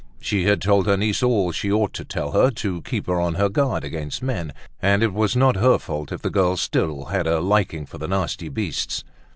She had told her niece all she ought to tell her, to keep her on her guard against men, and it was not her fault if the girl still had a liking for the nasty beasts.